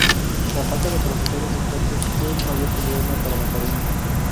La falta de profesores expertos fue el mayor problema para la Academia.